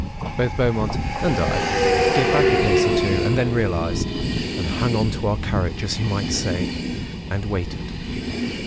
Both Beaumont and I gave back a pace or two, and then realised, and hung on to our courage, as you might say, and waited.